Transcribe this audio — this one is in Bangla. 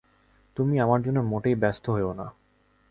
তুমি আমার জন্য মোটেই ব্যস্ত হয়ো না।